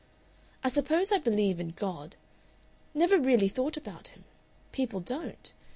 I suppose I believe in God.... Never really thought about Him people don't..